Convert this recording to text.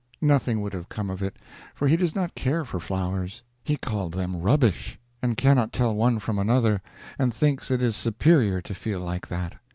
Nothing would have come of it, for he does not care for flowers. He called them rubbish, and cannot tell one from another, and thinks it is superior to feel like that.